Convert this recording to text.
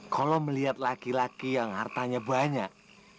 kalau melihat laki laki yang hartanya banyak